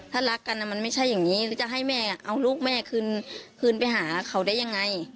ถ้ารักกันมันไม่ใช่อย่างนี้หรือจะให้แม่เอาลูกแม่คืนไปหาเขาได้ยังไง